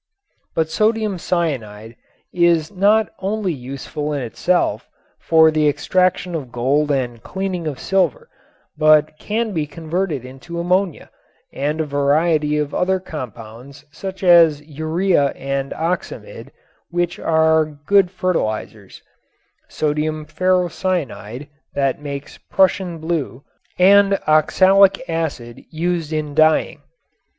But sodium cyanide is not only useful in itself, for the extraction of gold and cleaning of silver, but can be converted into ammonia, and a variety of other compounds such as urea and oxamid, which are good fertilizers; sodium ferrocyanide, that makes Prussian blue; and oxalic acid used in dyeing.